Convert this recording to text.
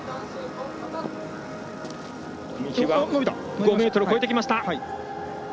５ｍを超えてきました！